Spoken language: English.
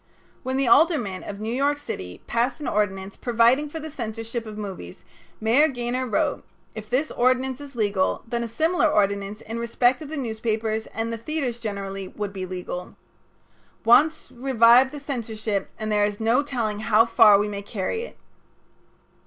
When the aldermen of New York City passed an ordinance providing for the censorship of movies Mayor Gaynor wrote: "If this ordinance is legal, then a similar ordinance in respect of the newspapers and the theaters generally would be legal. Once revive the censorship and there is no telling how far we may carry it."